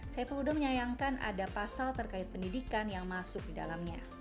saiful huda menyayangkan ada pasal terkait pendidikan yang masuk di dalamnya